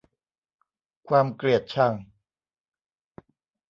ความเกลียดชัง